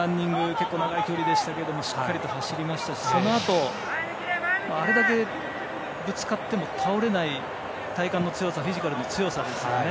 結構長い距離でしたけれどもしっかりと走りましたしそのあと、あれだけぶつかっても倒れない体幹の強さフィジカルの強さですよね。